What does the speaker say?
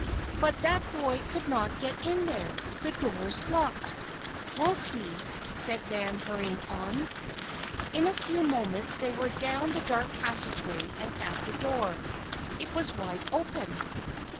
"But that boy could not get in there. The door's locked." "We'll see," said Nan, hurrying on. In a few moments they were down the dark passageway and at the door. It was wide open.